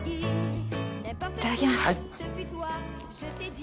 いただきます。